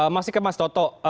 masih kemas toto